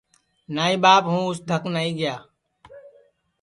نائی ٻاپ ہوں اُس دھک نائی گئیا